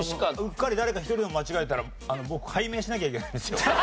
うっかり誰か１人でも間違えたら僕改名しなきゃいけないんですよ。